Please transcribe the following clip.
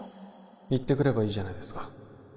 行ってくればいいじゃないですか